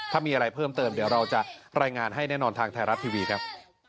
ถ้ามีอะไรเพิ่มเติมเดี๋ยวเราจะรายงานให้แน่นอนทางไทยรัฐทีวีครับ